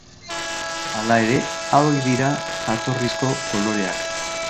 Hala ere hauek ez dira jatorrizko koloreak.